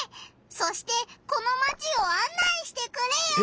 そしてこのマチをあん内してくれよ！